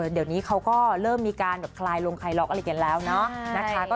เดี๋ยวนี้เขาก็เริ่มมีการคลายลงไทยล็อคอะไรอย่างเนี่ยแล้วเนาะ